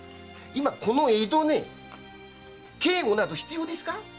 今この江戸に警護など必要ですか？